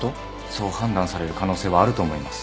そう判断される可能性はあると思います。